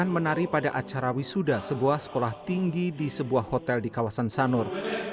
menari pada acara wisuda sebuah sekolah tinggi di sebuah hotel di kawasan sanur